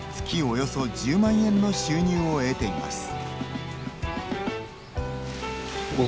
およそ１０万円の収入を得ています。